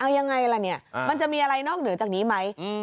เอายังไงล่ะเนี่ยมันจะมีอะไรนอกเหนือจากนี้ไหม